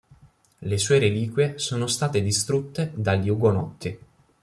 Le sue reliquie sono state distrutte dagli Ugonotti.